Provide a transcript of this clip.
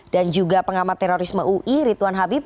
dan juga pengamat terorisme ui ritwan habib